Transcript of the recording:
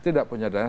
tidak punya daerah